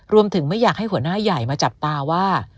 ไม่อยากให้หัวหน้าใหญ่มาจับตาว่า